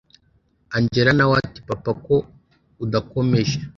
angella nawe ati papa ko udakomeje